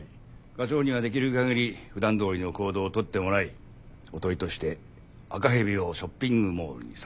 課長にはできる限りふだんどおりの行動をとってもらいおとりとして赤蛇をショッピングモールに誘い出す。